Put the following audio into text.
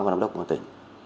vào đám đốc công an tỉnh